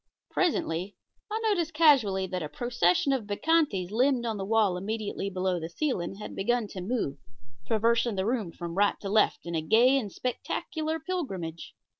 Presently I noticed casually that a procession of bacchantes limned on the wall immediately below the ceiling had begun to move, traversing the room from right to left in a gay and spectacular pilgrimage.